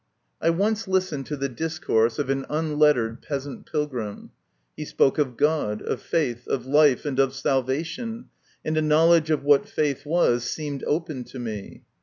I once listened to the discourse of an unlettered peasant pilgrim. He spoke of God, of faith, of life, and of salvation, and a know ledge of what faith was seemed open to me.